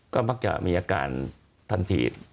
ก็มักจะมีอาการทันที